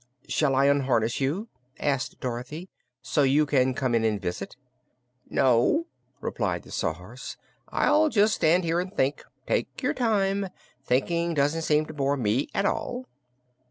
"Shall I unharness you," asked Dorothy, "so you can come in and visit?" "No," replied the Sawhorse. "I'll just stand here and think. Take your time. Thinking doesn't seem to bore me at all."